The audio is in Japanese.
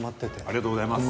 ありがとうございます。